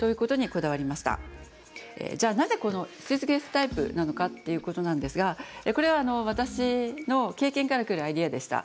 じゃあなぜこのスーツケースタイプなのかっていうことなんですがこれは私の経験からくるアイデアでした。